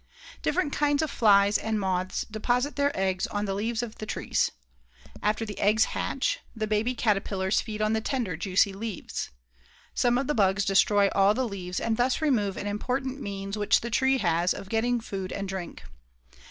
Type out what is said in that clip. Different kinds of flies and moths deposit their eggs on the leaves of the trees. After the eggs hatch, the baby caterpillars feed on the tender, juicy leaves. Some of the bugs destroy all the leaves and thus remove an important means which the tree has of getting food and drink.